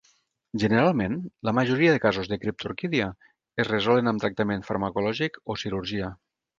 Generalment, la gran majoria de casos de criptorquídia es resolen amb tractament farmacològic o cirurgia.